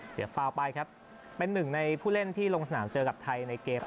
ฟาวไปครับเป็นหนึ่งในผู้เล่นที่ลงสนามเจอกับไทยในเกม